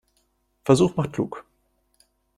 Versuch macht klug.